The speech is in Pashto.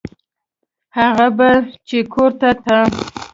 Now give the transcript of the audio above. هغه به چې کور ته ته.